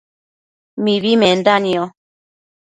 mibi menda nio